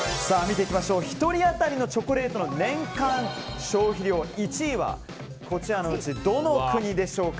１人当たりのチョコレートの年間消費量１位はこちらのうち、どの国でしょうか。